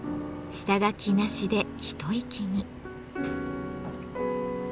下書きなしで一息に。